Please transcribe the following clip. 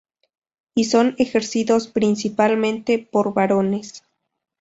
Y son ejercidos principalmente por varones.